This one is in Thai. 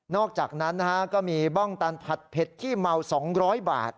อกจากนั้นก็มีบ้องตันผัดเผ็ดขี้เมา๒๐๐บาท